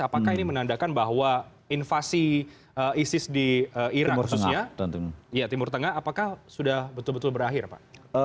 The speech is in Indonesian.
apakah ini menandakan bahwa invasi isis di irak khususnya timur tengah apakah sudah betul betul berakhir pak